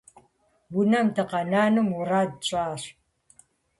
Унэм дыкъэнэну мурад тщӀащ.